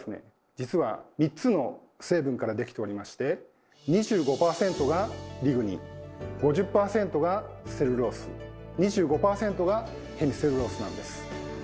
実は３つの成分からできておりまして２５％がリグニン５０％がセルロース２５％がヘミセルロースなんです。